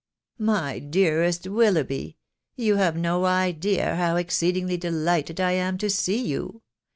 " My dearest Willoughby !.••. You have no idea how exceedingly delighted I am to see you